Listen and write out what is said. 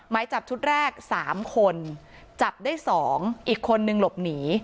หมายจับชุดแรก๓คนจับได้๒อีกคนนึงหลบหนี